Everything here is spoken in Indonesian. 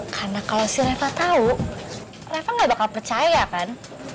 karena kalau si reva tau reva gak bakal percaya kan